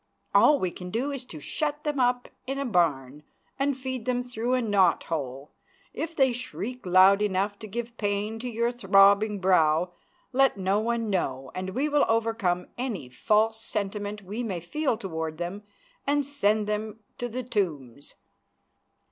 All we can do is to shut them up in a barn and feed them through a knot hole. If they shriek loud enough to give pain to your throbbing brow, let no one know and we will overcome any false sentiment we may feel towards them and send them to the Tombs.